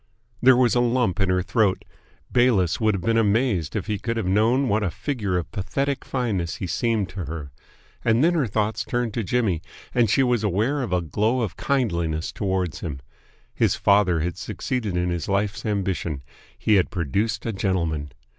There was a lump in her throat. Bayliss would have been amazed if he could have known what a figure of pathetic fineness he seemed to her. And then her thoughts turned to Jimmy, and she was aware of a glow of kindliness towards him. His father had succeeded in his life's ambition. He had produced a gentleman!